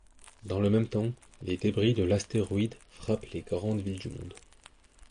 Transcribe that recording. Dans le même temps, les débris de l'astéroïde frappent les grandes villes du monde.